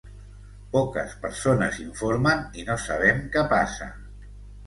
Poques persones informen i no sabem què passa.